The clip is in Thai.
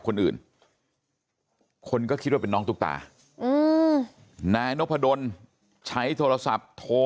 คนอื่นคนก็คิดว่าเป็นน้องตุ๊กตานายนพดลใช้โทรศัพท์โทร